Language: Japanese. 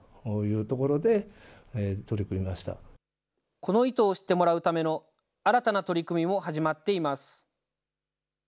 この糸を知ってもらうための新たな取り組みも始まっています。